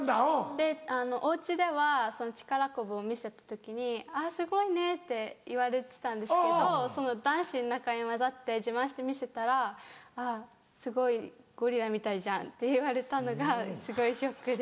でお家では力こぶを見せた時に「あっすごいね」って言われてたんですけどその男子の中に交ざって自慢して見せたら「あぁすごいゴリラみたいじゃん」って言われたのがすごいショックで。